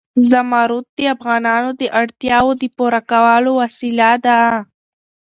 زمرد د افغانانو د اړتیاوو د پوره کولو وسیله ده.